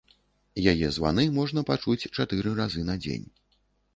Яе званы можна пачуць чатыры разы на дзень.